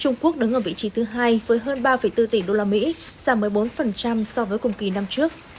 trung quốc đứng ở vị trí thứ hai với hơn ba bốn tỷ đô la mỹ giảm một mươi bốn so với cùng kỳ năm trước